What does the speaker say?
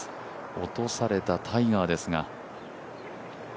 落とされたタイガーですが。